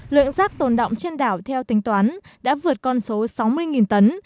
lượng rác tồn động trên đảo theo tính toán đã vượt con số sáu mươi tấn